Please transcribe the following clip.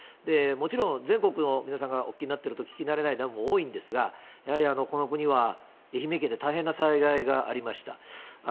もちろん、全国の皆さんがお聞きになってると、聞きなれないダムも多いんですけれども、やはり、この国は愛媛県で大変な災害がありました。